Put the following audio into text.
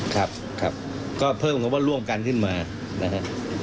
ครับครับก็เพิ่มคำว่าร่วมกันขึ้นมานะฮะ